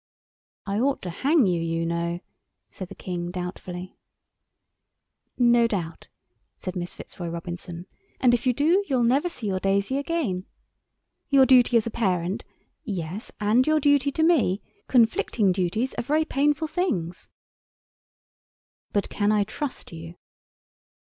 "I ought to hang you, you know," said the King doubtfully. "No doubt," said Miss Fitzroy Robinson, "and if you do you'll never see your Daisy again. Your duty as a parent—yes—and your duty to me—conflicting duties are very painful things." "But can I trust you?"